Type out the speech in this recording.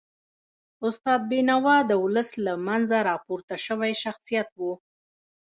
استاد بینوا د ولس له منځه راپورته سوی شخصیت و.